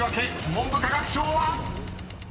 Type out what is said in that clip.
文部科学省は⁉］